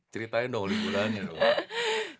ceritain dong liburannya dong